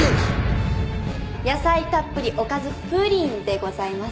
野菜たっぷりおかずプリンでございます。